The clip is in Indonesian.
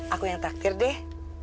aku yang traktir deh